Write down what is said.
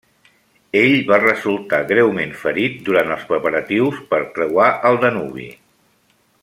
Ell va resultar greument ferit durant els preparatius per creuar el Danubi.